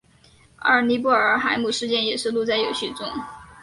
而尼布尔海姆事件也收录在游戏中。